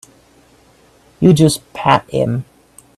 You just pat him.